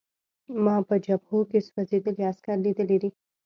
ما په جبهو کې سوځېدلي عسکر لیدلي دي